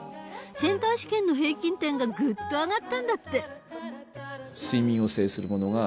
センター試験の平均点がぐっと上がったんだって。